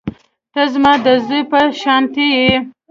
ته زما د زوى په شانتې يې.